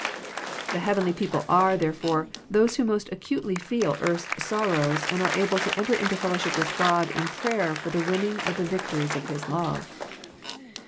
The heavenly people are, therefore, those who most acutely feel earth's sorrows and are able to enter into fellowship with God in prayer for the winning of the victories of His love.